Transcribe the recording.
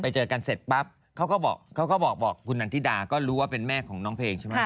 เจอกันเสร็จปั๊บเขาก็บอกเขาก็บอกคุณนันทิดาก็รู้ว่าเป็นแม่ของน้องเพลงใช่ไหม